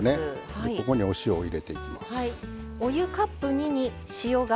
ここにお塩を入れていきます。